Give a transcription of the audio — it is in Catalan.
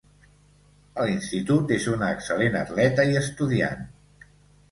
A l'institut és una excel·lent atleta i estudiant.